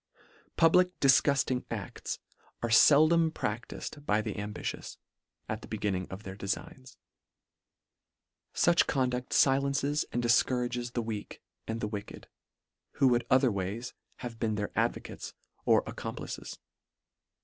Public difgufting acls are feldom pradtifed by the ambitious, at the beginning of their defigns. Such conducl filences and difcou rages the weak, and the wicked, who would otherways have been their advocates or ac complices.